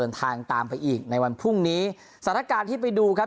ิ่นทางตามไปอีกในวันพรุ่งนี้ดิศนการที่ไปดูครับ